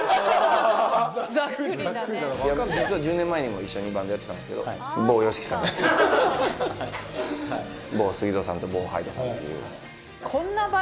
実は１０年前にも一緒にバンドやってたんですけど某ＹＯＳＨＩＫＩさんと某ＳＵＧＩＺＯさんと某ＨＹＤＥさんっていう。